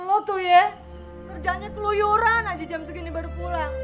lo tuh ya kerjanya keluyuran aja jam segini baru pulang